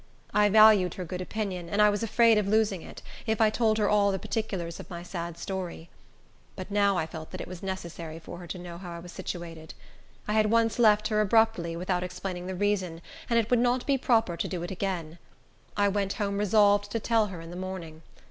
I valued her good opinion, and I was afraid of losing it, if I told her all the particulars of my sad story. But now I felt that it was necessary for her to know how I was situated. I had once left her abruptly, without explaining the reason, and it would not be proper to do it again. I went home resolved to tell her in the morning.